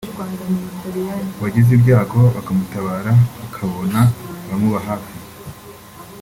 uwagize ibyago bakamutabara akabona abamuba hafi